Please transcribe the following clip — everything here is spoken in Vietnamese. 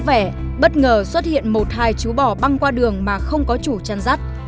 vẻ bất ngờ xuất hiện một hai chú bò băng qua đường mà không có chủ chăn rắt